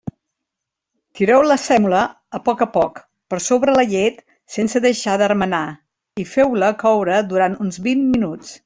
Tireu la sèmola, a poc a poc, per sobre la llet sense deixar de remenar, i feu-la coure durant uns vint minuts.